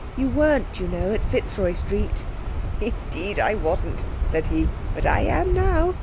"You weren't, you know, at Fitzroy Street." "Indeed I wasn't," said he, "but I am now.